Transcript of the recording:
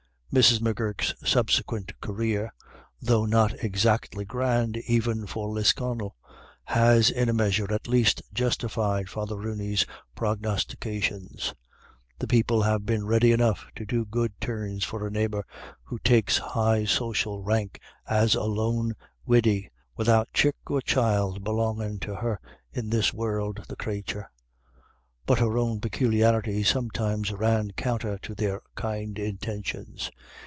Mrs. M'Gurk's subsequent career, though not exactly grand, even for Lisconnel, has in a measure, at least, justified Father Rooney's prognostications. The people have been ready enough to do good turns for a neighbour who takes high social rank as a lone widdy, without chick or child belongin' to her in this world, the crathur. But her ov/n peculiarities sometimes ran counter to their kind intentions.